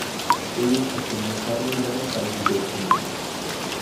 De ellos obtenían carne y lana para sus vestimentas.